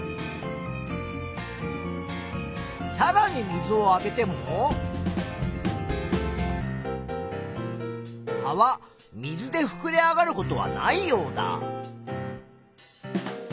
さらに水をあげても葉は水でふくれ上がることはないようだ。